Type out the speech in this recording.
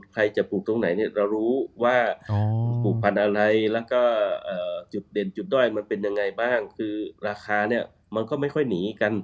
ใครจะปลูกตรงไหนเนี่ยเรารู้ว่าผูกพันธุ์อะไรแล้วก็จุดเด่นจุดด้อยมันเป็นยังไงบ้างคือราคาเนี่ยมันก็ไม่ค่อยหนีกัน